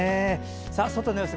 外の様子